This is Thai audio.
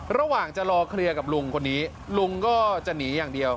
ระหว่างจะรอเคลียร์กับลุงคนนี้ลุงก็จะหนีอย่างเดียว